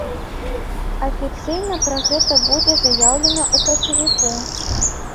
Афіцыйна пра гэта будзе заяўлена ў красавіку.